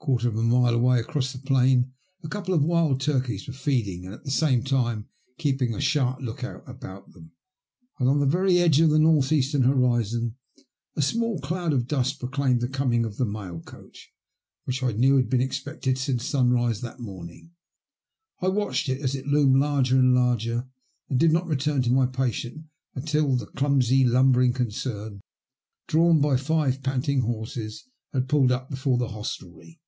A quarter of a mile away across the plain a couple of wild turkeys were feeding, at the same time keeping a sharp look out about them, and on the very edge of the north eastern horizon a small cloud of dust proclaimed the coming of the mail coach, which I knew had been expected since sunrise that morning. I watched it as it loomed larger and larger, and did not return to my patient until the clumsy, lumbering concern, drawn by five panting horses, had pulled up before the hostelry.